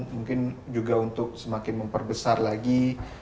mungkin juga untuk semakin memperbesar lagi